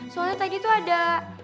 soalnya tadi tuh ada